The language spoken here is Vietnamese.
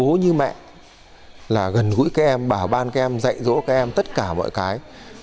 thầy cô như bố như mẹ là gần gũi các em bảo ban các em dạy dỗ các em tất cả mọi cái